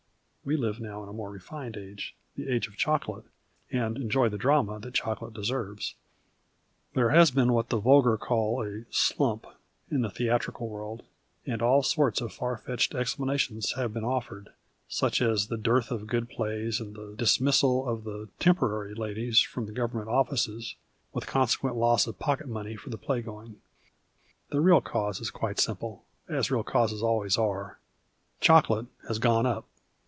We live now in a more refined age, the age of chocolate, and enjoy the drama that chocolate deserves. There has been what tlie vulgar call a " slump " in the theatrical world, and all sorts of far fetched ( xplanations have been offered, such as the deartii of ^ood plays and the 71 PASTICHE AND PREJUDICE dismissal of the " temporary " ladies from Govern ment ofTices, Avith consequent loss of pocket money for playgoing. The real cause is quite simple, as real causes always are. Chocolate has " gone up."